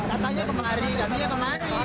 katanya kemari gaminya kemari